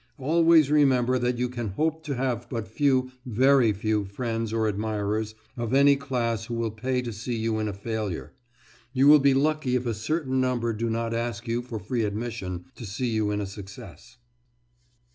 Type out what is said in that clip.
Always remember that you can hope to have but few, very few friends or admirers of any class who will pay to see you in a failure; you will be lucky if a certain number do not ask you for free admission to see you in a success.